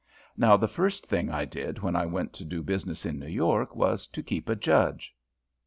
Now the first thing I did when I went to do business in New York, was to keep a judge."